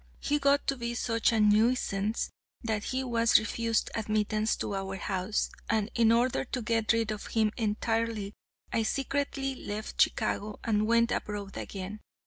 He got to be such a nuisance that he was refused admittance to our house, and in order to get rid of him entirely, I secretly left Chicago and went abroad again.